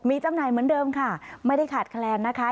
มีจำหน่ายเหมือนเดิมค่ะไม่ได้ขาดแคลนนะคะ